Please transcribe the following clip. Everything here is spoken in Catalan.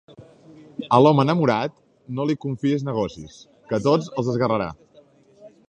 A l'home enamorat, no li confiïs negocis, que tots els esguerrarà.